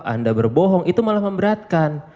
anda berbohong itu malah memberatkan